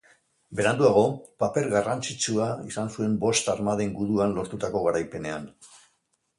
Beranduago, paper garrantzitsua izan zuen Bost Armaden guduan lortutako garaipenean.